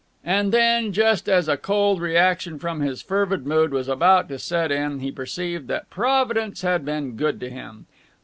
And then, just as a cold reaction from his fervid mood was about to set in, he perceived that Providence had been good to him.